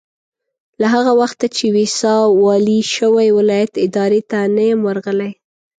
له هغه وخته چې ويساء والي شوی ولایت ادارې ته نه یم ورغلی.